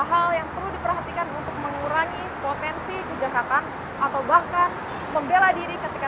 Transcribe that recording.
hal yang perlu diperhatikan untuk mengurangi potensi kejahatan atau bahkan membela diri ketika